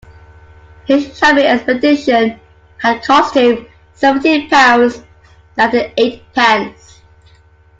His shopping expedition had cost him seventeen pounds, ninety-eight pence